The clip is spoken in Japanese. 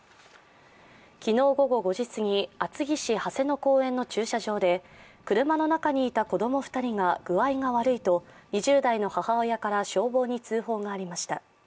昨日午後５時すぎ、厚木市長谷の公園の駐車場で車の中にいた子供２人が具合が悪いと２０代の母親から消防に通報がありました。